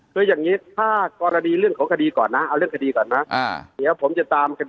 คืออย่างงี้ถ้ากรณีเรื่องของคดีก่อนนะเอาเรื่องคดีก่อนนะ